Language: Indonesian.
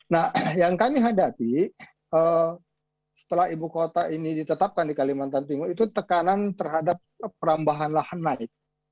nah yang kami hadapi setelah ibu kota ini ditetapkan di kalimantan timur itu tekanan terhadap perambahan lahan naik